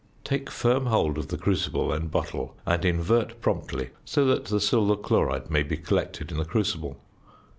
Take firm hold of the crucible and bottle, and invert promptly so that the silver chloride may be collected in the crucible.